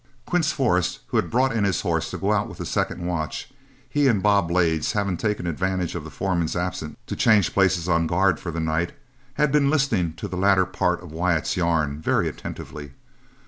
Quince Forrest, who had brought in his horse to go out with the second watch, he and Bob Blades having taken advantage of the foreman's absence to change places on guard for the night, had been listening to the latter part of Wyatt's yarn very attentively.